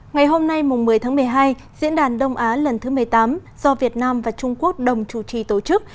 ngày hôm nay một mươi tháng một mươi hai diễn đàn đông á lần thứ một mươi tám do việt nam và trung quốc đồng chủ trì tổ chức